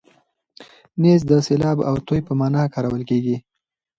نیز د سیلاب او توی په مانا کارول کېږي.